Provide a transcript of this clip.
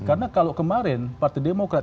karena kalau kemarin parti demokrat